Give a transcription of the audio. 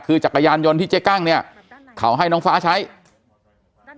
คือจักรยานยนต์ที่เจ๊กั้งเนี่ยเขาให้น้องฟ้าใช้